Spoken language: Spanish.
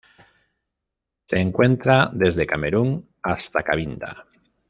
Se encuentra desde Camerún hasta Cabinda.